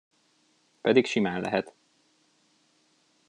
Pedig simán lehet.